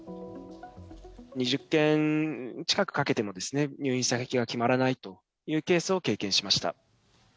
２０件近くかけても、入院先が決まらないというケースを経験しました。